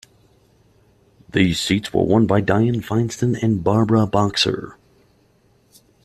These seats were won by Dianne Feinstein and Barbara Boxer.